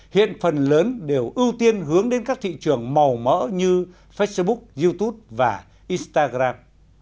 hiện phần lớn đều ưu tiên hướng đến các thị trường màu mỡ như facebook youtube và instagram